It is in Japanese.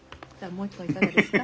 もう一杯いかがですか？